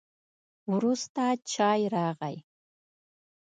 وروسته چای راغی.